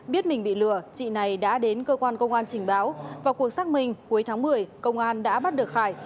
biết mình bị lừa chị này đã đến cơ quan công an trình báo vào cuộc xác minh cuối tháng một mươi công an đã bắt được khải